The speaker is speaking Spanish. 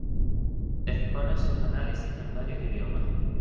Expone sus análisis en varios idiomas.